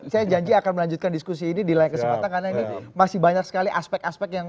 saya janji akan melanjutkan diskusi ini di lain kesempatan karena ini masih banyak sekali aspek aspek yang